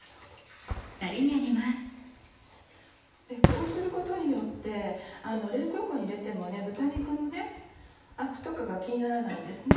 こうすることによって冷蔵庫に入れても豚肉のアクとかが気にならないんですね。